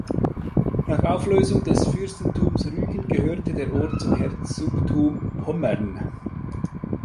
Nach Auflösung des Fürstentums Rügen gehörte der Ort zum Herzogtum Pommern.